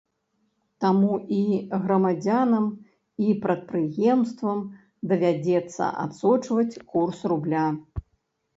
Таму і грамадзянам і прадпрыемствам давядзецца адсочваць курс рубля.